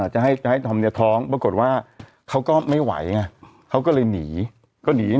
จะให้คอมท้องปรากฏว่าเขาก็ไม่ไหวเขาก็เลยหนี